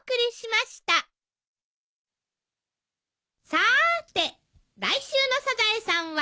さーて来週の『サザエさん』は？